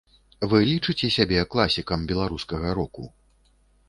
Вы лічыце сябе класікам беларускага року?